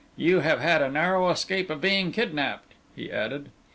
You have had a narrow escape of being kidnapped," he added.